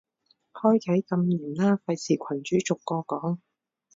開啟禁言啦，費事群主逐個講